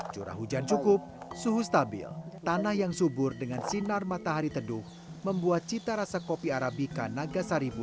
curah hujan cukup suhu stabil tanah yang subur dengan sinar matahari teduh membuat cita rasa kopi arabica nagasaribun